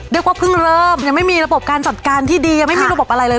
เรียกว่าเพิ่งเริ่มยังไม่มีระบบการจัดการที่ดียังไม่มีระบบอะไรเลย